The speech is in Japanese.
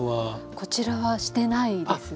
こちらはしてないですね。